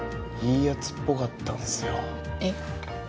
いいヤツっぽかったんすよえっ？